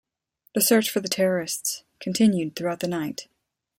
The search for the terrorists continued throughout the night.